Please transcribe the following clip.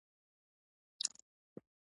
ډېره پليته ژبوره وه.